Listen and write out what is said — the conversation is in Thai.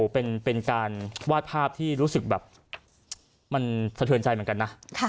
เป็นการวาดภาพที่รู้สึกแบบมันสะเทือนใจเหมือนกันนะ